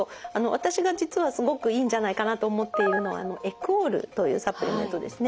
私が実はすごくいいんじゃないかなと思っているのはエクオールというサプリメントですね。